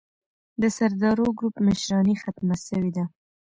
د سردارو ګروپ مشراني ختمه سوې ده.